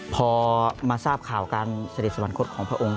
พอมาทราบข่าวการเสด็จสวรรคตของพระองค์